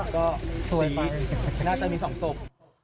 ก็สวยไปน่าจะมีสองสุพ